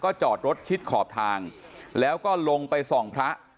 จอดรถชิดขอบทางแล้วก็ลงไปส่องพระ